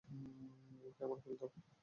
ওকে আমার কোলে দাও।